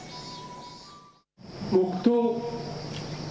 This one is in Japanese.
黙とう。